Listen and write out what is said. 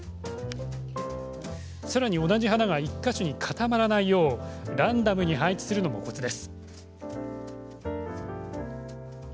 さらに、同じ花が１か所に固まらないようランダムに配置するのもコツです。